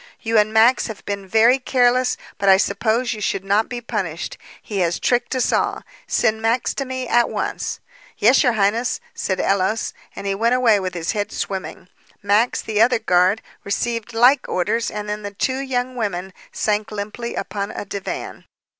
You and Max have been very careless, but I suppose you should not be punished. He has tricked us all. Send Max to me at once." "Yes, your highness," said Ellos, and he went away with his head swimming. Max, the other guard, received like orders and then the two young women sank limply upon a divan.